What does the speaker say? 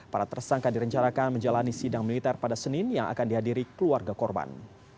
para tersangka direncanakan menjalani sidang militer pada senin yang akan dihadiri keluarga korban